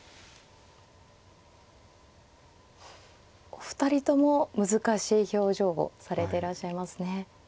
お二人とも難しい表情をされてらっしゃいますね。